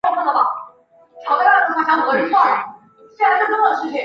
出身于爱知县蒲郡市五井町。